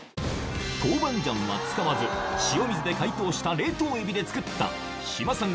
豆板醤は使わず塩水で解凍した冷凍エビで作った志麻さん